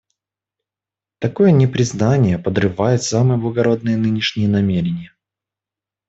Такое непризнание подрывает самые благородные нынешние намерения.